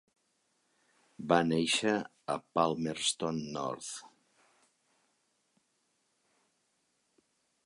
Va néixer a Palmerston North.